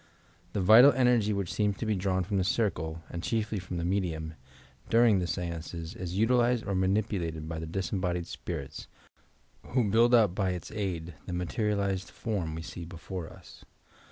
The vital enei^ which seems to be drawn from the circle, and chiefly from the medium, during the stances, is utilized or manipulated by the disembodied spirits, who buUd up by its aid the materialized form we see before us.